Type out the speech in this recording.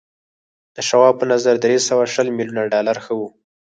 د شواب په نظر درې سوه شل ميليونه ډالر ښه و